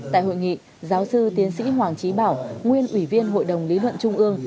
tại hội nghị giáo sư tiến sĩ hoàng trí bảo nguyên ủy viên hội đồng lý luận trung ương